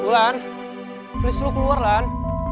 lan please lo keluar lan